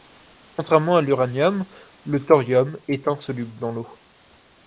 Contrairement à l'uranium, le thorium est insoluble dans l'eau.